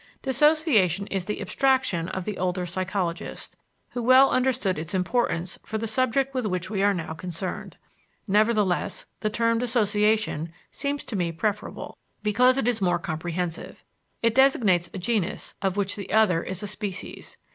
Dissociation is the "abstraction" of the older psychologists, who well understood its importance for the subject with which we are now concerned. Nevertheless, the term "dissociation" seems to me preferable, because it is more comprehensive. It designates a genus of which the other is a species.